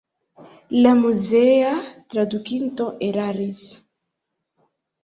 La muzea tradukinto eraris.